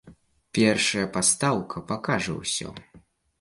Першая пастаўка пакажа ўсё.